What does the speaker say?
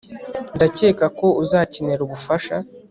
ndakeka ko uzakenera ubufasha